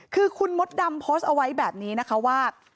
คือคุณมดดำโพสต์เอาไว้แบบนี้นะคะว่า